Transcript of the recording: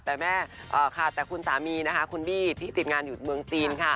แต่แม่ขาดแต่คุณสามีนะคะคุณบี้ที่ติดงานอยู่เมืองจีนค่ะ